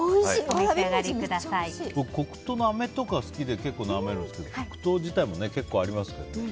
黒糖の飴とか好きで結構なめるんですけど黒糖自体も結構ありますけど。